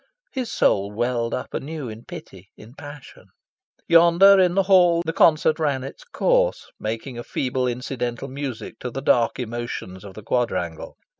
His soul welled up anew in pity, in passion. Yonder, in the Hall, the concert ran its course, making a feeble incidental music to the dark emotions of the quadrangle.